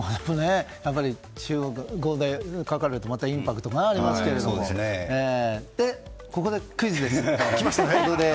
中国語で書かれるとまたインパクトがありますけれどもここでクイズです。